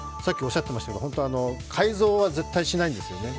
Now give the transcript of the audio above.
改造は絶対しないんですよね。